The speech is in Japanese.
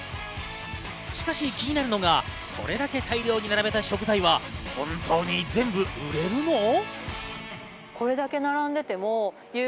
しかし気になるのが、これだけ大量に並べた食材は本当に全部売れるの？